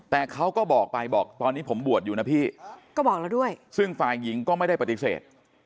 แต่เขาก็บอกไปบอกตอนนี้ผมบวชอยู่นะพี่ก็บอกแล้วด้วยซึ่งฝ่ายหญิงก็ไม่ได้ปฏิเสธ